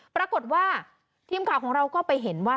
ปรากฏว่าทีมข่าวของเราก็ไปเห็นว่า